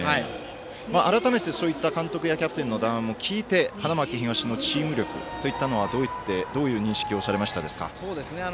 改めて、そういったキャプテンや監督の談話も聞いて花巻東のチーム力というのはどういう認識をされましたですか。